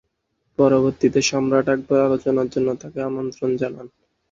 পরবর্তীতে সম্রাট আকবর আলোচনার জন্য তাঁকে আমন্ত্রন জানান।